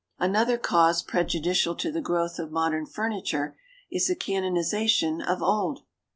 Another cause prejudicial to the growth of modern furniture is the canonisation of old.